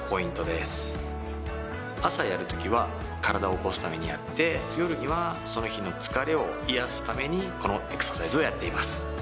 朝やるときは体を起こすためにやって夜にはその日の疲れを癒やすためにこのエクササイズをやっています。